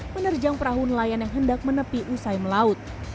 menerjang perahu nelayan yang hendak menepi usai melaut